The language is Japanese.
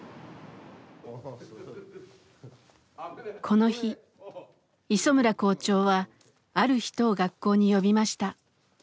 この日磯村校長はある人を学校に呼びました。